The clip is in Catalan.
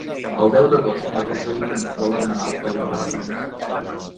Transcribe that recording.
El deu d'agost na Rosó i na Nit volen anar al Palomar.